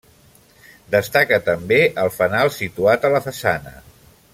Destaca també el fanal situat a la façana.